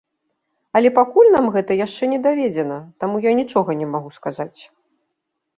Але пакуль нам гэта яшчэ не даведзена, таму я нічога не магу сказаць.